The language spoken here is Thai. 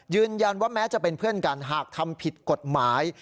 ยืนยันว่าแม้จะเป็นเพื่อนกันหากทำผิดกฎหมาย